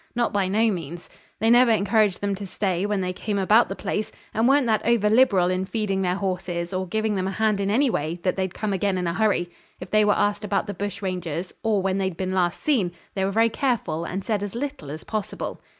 Not by no means. They never encouraged them to stay when they came about the place, and weren't that over liberal in feeding their horses, or giving them a hand in any way, that they'd come again in a hurry. If they were asked about the bush rangers, or when they'd been last seen, they were very careful, and said as little as possible.